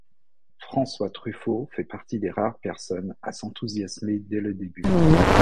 François Truffaut fait partie des rares personnes à s'enthousiasmer dès le début.